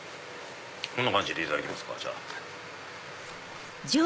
こんな感じでいただきますか。